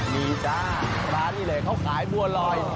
มีจ้าร้านนี้เลยเขาขายบัวลอย